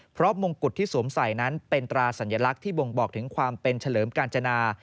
เพราะมงกุฎที่สวมใส่นั้นเป็นตราสัญลักษณ์ที่บ่งบอกถึงความเป็นเฉลิมกาญจนา